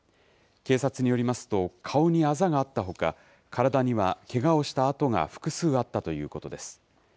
警察によりますと、顔にあざがあったほか、体にはけがをした痕が複数あったということです。